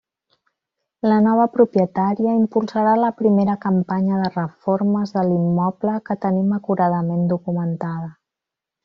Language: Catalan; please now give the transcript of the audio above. La nova propietària impulsarà la primera campanya de reformes de l'immoble que tenim acuradament documentada.